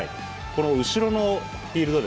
この後ろのフィールド